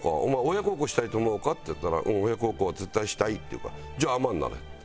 親孝行したいと思うか？」って言ったら「うん。親孝行は絶対したい」って言うから「じゃあ海女になれ」って。